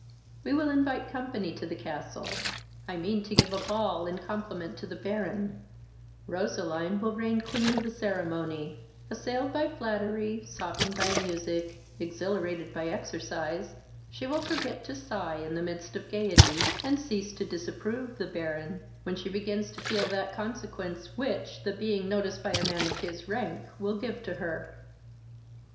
We will invite company to the castle; I mean to give a ball in compliment to the Baron: Roseline will reign queen of the ceremony; assailed by flattery, softened by music, exhilirated by exercise, she will forget to sigh in the midst of gaiety, and cease to disapprove the Baron, when she begins to feel that consequence which the being noticed by a man of his rank will give to her."